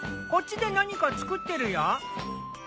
こっちで何か作ってるよ。